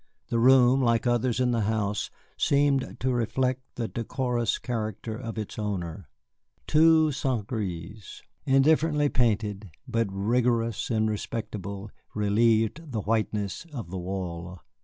The room, like others in the house, seemed to reflect the decorous character of its owner. Two St. Grés, indifferently painted, but rigorous and respectable, relieved the whiteness of the wall.